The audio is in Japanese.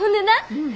うん。